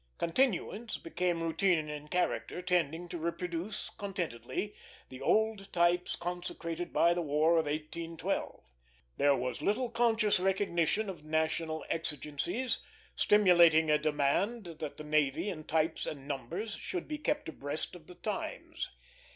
Continuance became routine in character, tending to reproduce contentedly the old types consecrated by the War of 1812. There was little conscious recognition of national exigencies, stimulating a demand that the navy, in types and numbers, should be kept abreast of the times.